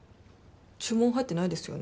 注文入ってないですよね？